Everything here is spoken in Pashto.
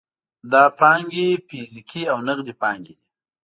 دا پانګې فزیکي او نغدي پانګې دي.